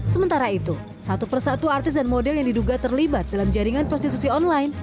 sementara itu satu persatu artis dan model yang diduga terlibat dalam jaringan prostitusi online